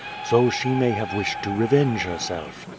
So she may have wished to revenge hci self.